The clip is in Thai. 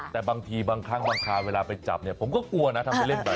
แต่บางทีบางครั้งบางคราวเวลาไปจับเนี่ยผมก็กลัวนะถ้าไปเล่นไป